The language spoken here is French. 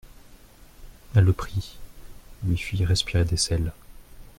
Elle le prit, lui fit respirer des sels.